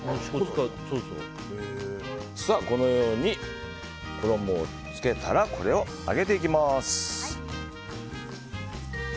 さあ、このように衣をつけたらこれを揚げていきます。